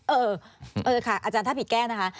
เออค่ะอาจารย์ถ้าผิดแก้นะคะ